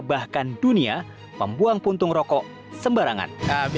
bahkan dunia membuang puntung rokok sembarangan